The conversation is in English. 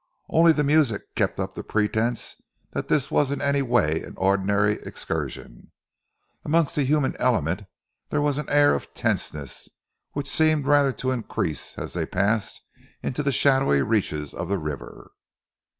Only the music kept up the pretence that this was in any way an ordinary excursion. Amongst the human element there was an air of tenseness which seemed rather to increase as they passed into the shadowy reaches of the river.